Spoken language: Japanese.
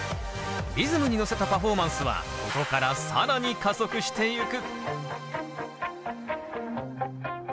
リズムに乗せたパフォーマンスはここから更に加速してゆく。